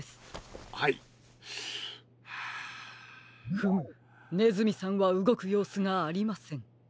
フムねずみさんはうごくようすがありません。